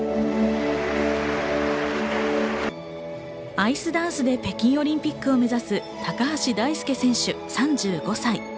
アイスダンスで北京オリンピックを目指す高橋大輔選手、３５歳。